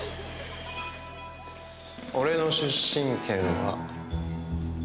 俺の出身県は。